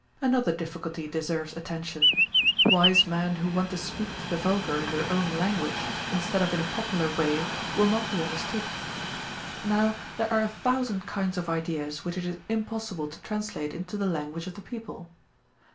Another difficulty deserves attention. Wise men who want to speak to the vulgar in their own language in stead of in a popular way will not be understood. Now, there are a thous^d kinds of ideas which it is impossible to translate into the language of the people.